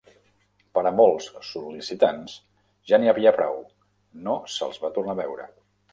Per a molts sol·licitants ja n'hi havia prou; no se'ls va tornar a veure.